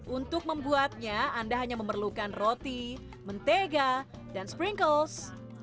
untuk membuatnya anda hanya memerlukan roti mentega dan sprinkles